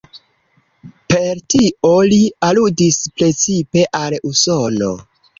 Per tio li aludis precipe al Usono.